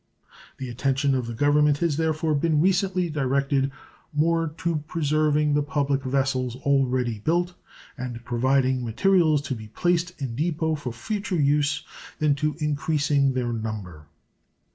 The attention of the Government has therefore been recently directed more to preserving the public vessels already built and providing materials to be placed in depot for future use than to increasing their number.